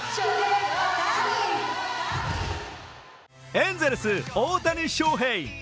エンゼルス・大谷翔平。